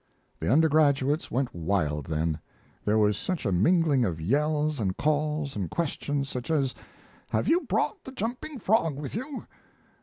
The undergraduates went wild then. There was such a mingling of yells and calls and questions, such as, "Have you brought the jumping Frog with you?"